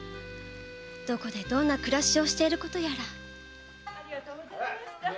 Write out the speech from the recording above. どこでどんな暮らしをしていることやら。